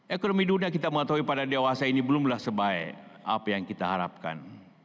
ekonomi dunia kita mengetahui pada dewasa ini belumlah sebaik apa yang kita harapkan